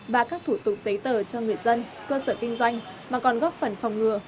và các thủ tục giấy tờ cho người dân cơ sở kinh doanh mà còn góp phần phòng ngừa